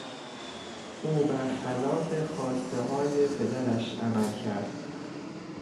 او برخلاف خواستههای پدرش عمل کرد.